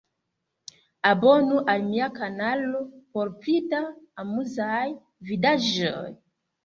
Abonu al mia kanalo por pli da amuzaj vidaĵoj